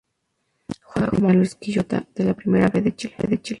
Juega como Volante en San Luis de Quillota de la Primera B de Chile.